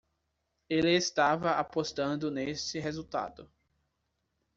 Ele estava apostando nesse resultado.